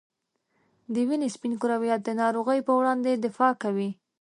د وینې سپین کرویات د ناروغۍ په وړاندې دفاع کوي.